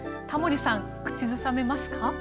タモリさん口ずさめますか？